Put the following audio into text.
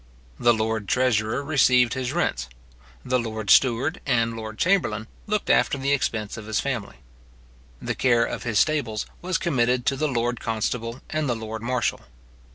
The lord treasurer received his rents. The lord steward and lord chamberlain looked after the expense of his family. The care of his stables was committed to the lord constable and the lord marshal.